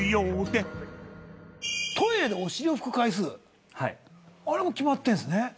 トイレでお尻を拭く回数あれも決まってんすね。